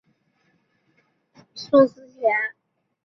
曾祖父宋思贤。